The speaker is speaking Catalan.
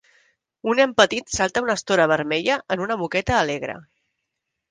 Un nen petit salta una estora vermella en una moqueta alegre.